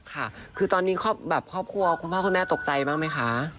ค่ะคือตอนนี้ครอบครัวคุณพ่อคุณแม่ตกใจบ้างไหมคะ